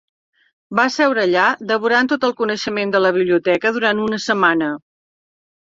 Va seure allà devorant tot el coneixement de la biblioteca durant una setmana.